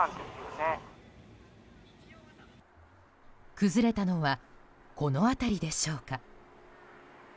崩れたのはこの辺りでしょうか。